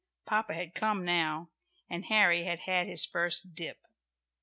Papa had come now, and Harry had had his first "dip."